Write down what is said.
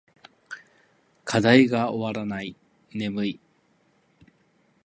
課題が終わらない。眠い。